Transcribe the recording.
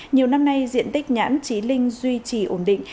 nhiều năm nay diện tích nhãn trí linh duy trì ổn định